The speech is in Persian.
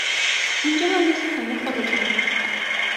اینجا هم مثل خونهی خودتونه